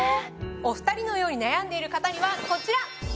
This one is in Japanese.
お２人のように悩んでいる方にはこちら！